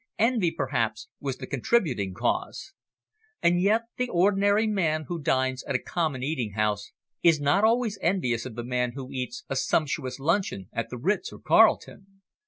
Envy perhaps was the contributing cause. And yet the ordinary man who dines at a common eating house is not always envious of the man who eats a sumptuous luncheon at the Ritz or Carlton.